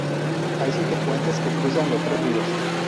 Hay siete puentes que cruzan los tres ríos.